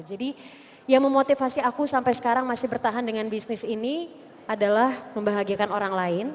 jadi yang memotivasi aku sampai sekarang masih bertahan dengan bisnis ini adalah membahagiakan orang lain